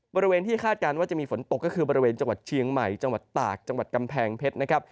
บริเวณที่คาดการณ์ว่าจะมีฝนตกก็คือบริเวณจังหวัดเชียงใหม่จังหวัดตากจังหวัดกำแพงเพชรนะครับ